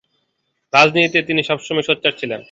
রাজনীতিতে তিনি সবসময়ই সোচ্চার ছিলেন।